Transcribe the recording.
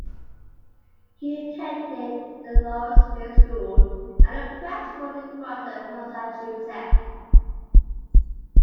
He attended the Lawrenceville School, and a prep school in Groton, Massachusetts.